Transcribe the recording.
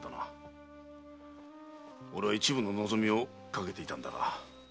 俺は一分の望みをかけていたんだが。